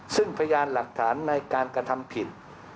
ซึ่งพยานหลักฐานในการกระทำผิด